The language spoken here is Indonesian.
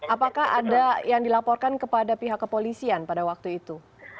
apakah ada yang dilaporkan kepada pihak kepolisian pada waktu itu